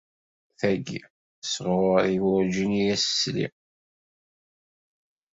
Tagi, sɣuṛ-i! Werǧin i yas-sliɣ.